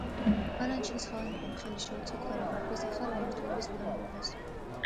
ბალანჩინის ხელოვნებამ ხელი შეუწყო ქორეოგრაფიის ახალ მიმართულებების ფორმირებას.